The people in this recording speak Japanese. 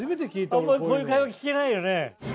あんまりこういう会話聞けないよね。